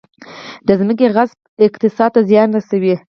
د ځمکې غصب اقتصاد ته زیان رسوي